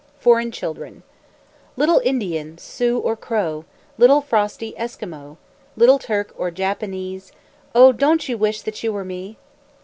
FOREIGN CHILDREN Little Indian, Sioux or Crow, Little frosty Eskimo, Little Turk or Japanee, O! Don't you wish that you were me?